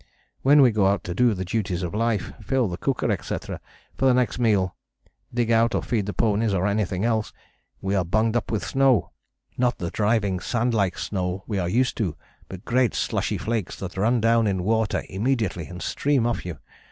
When we go out to do the duties of life, fill the cooker, etc., for the next meal, dig out or feed the ponies, or anything else, we are bunged up with snow. Not the driving, sandlike snow we are used to, but great slushy flakes that run down in water immediately and stream off you.